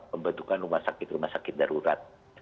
pembentukan rumah sakit rumah sakit darurat